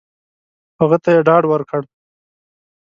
هغه ته یې ډاډ ورکړ !